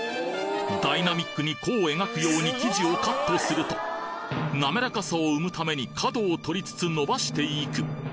ダイナミックに弧を描くように生地をカットすると滑らかさを生むために角をとりつつ伸ばしていく。